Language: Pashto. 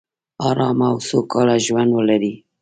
ارامه او سوکاله ژوندولري